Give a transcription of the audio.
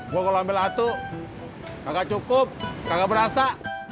gue kalau ambil satu kagak cukup kagak berasa